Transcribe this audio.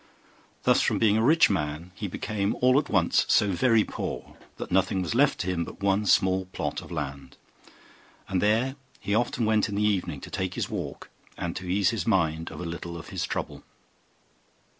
Thus from being a rich man he became all at once so very poor that nothing was left to him but one small plot of land; and there he often went in an evening to take his walk, and ease his mind of a little of his trouble.